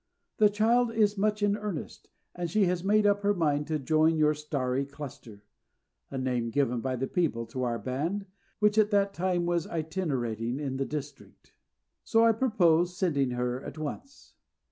"The child is much in earnest, and she has made up her mind to join your Starry Cluster" (a name given by the people to our band, which at that time was itinerating in the district), "so I purpose sending her at once."